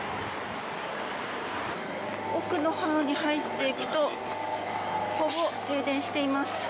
奥の方に入っていくとほぼ停電しています。